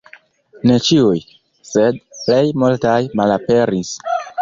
Ne ĉiuj, sed plej multaj malaperis.